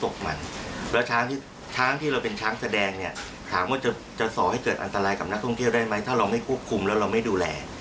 แล้วช้างที่ช้างที่เราเป็นช้างแสดงเนี่ยถามว่าจะส่อให้เกิดอันตรายกับนักท่องเที่ยวได้ไหมถ้าเราไม่ควบคุมแล้วเราไม่ดูแล